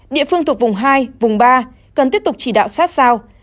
địa phương thuộc vùng hai vùng ba cần tiếp tục chỉ đạo sát sao